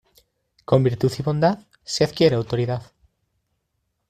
Con virtud y bondad se adquiere autoridad.